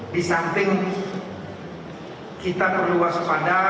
di samping kita perlu waspada